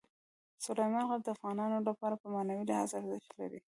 سلیمان غر د افغانانو لپاره په معنوي لحاظ ارزښت لري.